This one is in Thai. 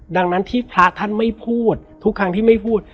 ดังนั้นที่พระท่านไม่พูดทุกครั้งที่ไม่พูด